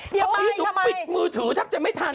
เดี๋ยวไว้ทำไมทำไมทำไมพี่ถูกปิดมือถือถ้าจะไม่ทัน